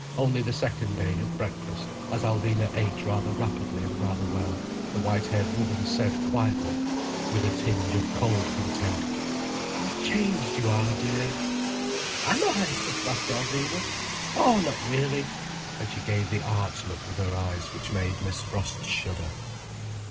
Only the second day, at breakfast, as Alvina ate rather rapidly and rather well, the white haired woman said quietly, with a tinge of cold contempt: "How changed you are, dear!" "Am I?" laughed Alvina. "Oh, not really." And she gave the arch look with her eyes, which made Miss Frost shudder.